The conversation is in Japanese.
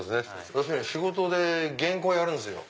私仕事で原稿やるんですよ。